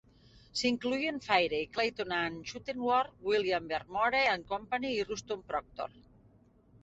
S'hi incloïen Fairey, Clayton and Shuttleworth, William Beardmore and Company i Ruston Proctor.